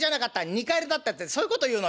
二荷入りだった』ってそういうこと言うのよ」。